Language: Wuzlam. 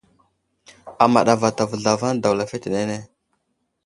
Amaɗ avatavo zlavaŋ daw lefetenene.